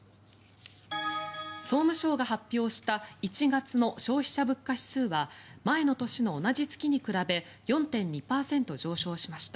総務省が発表した１月の消費者物価指数は前の年の同じ月に比べて４．２％上昇しました。